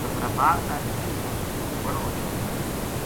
مظفرآباد تک اِن کو سفر بڑو ہچھو گزریو